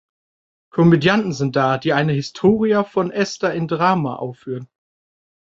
Komödianten sind da, die eine "Historia von Esther in Drama" aufführen.